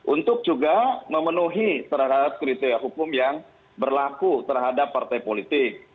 untuk juga memenuhi terhadap kriteria hukum yang berlaku terhadap partai politik